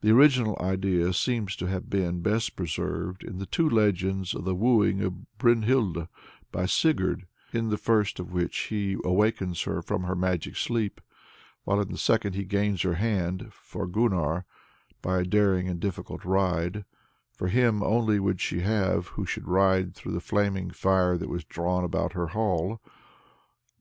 The original idea seems to have been best preserved in the two legends of the wooing of Brynhild by Sigurd, in the first of which he awakens her from her magic sleep, while in the second he gains her hand (for Gunnar) by a daring and difficult ride for "him only would she have who should ride through the flaming fire that was drawn about her hall."